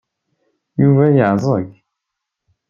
Yuba yeɛẓeg.